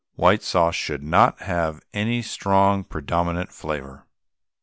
White sauce should not have with it any strong predominant flavour.